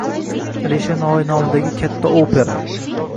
Alisher Navoiy nomidagi katta opera